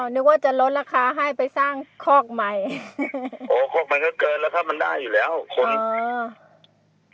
นึกว่าจะลดราคาให้ไปสร้างคอกใหม่โอ้คอกมันก็เกินแล้วครับมันได้อยู่แล้วคนอ่า